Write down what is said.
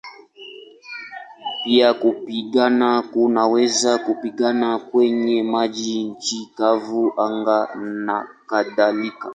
Pia kupigana kunaweza kupigana kwenye maji, nchi kavu, anga nakadhalika.